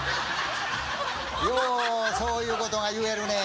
ようそういうことが言えるねぇ。